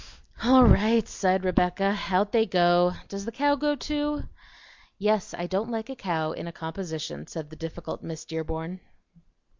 "All right!" sighed Rebecca. "Out they go; Does the cow go too?" "Yes, I don't like a cow in a composition," said the difficult Miss Dearborn.